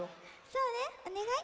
そうねおねがい。